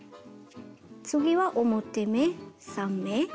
次は表目３目。